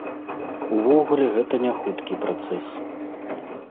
Увогуле гэта не хуткі працэс.